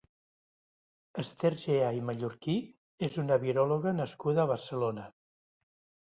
Ester Gea i Mallorquí és una viròloga nascuda a Barcelona.